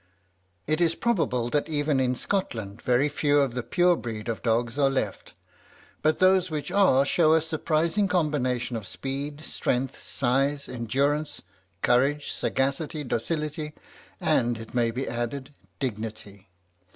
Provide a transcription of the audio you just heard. It is probable that even in Scotland very few of the pure breed of dogs are left, but those which are show a surprising combination of speed, strength, size, endurance, courage, sagacity, docility, and it may be added, dignity.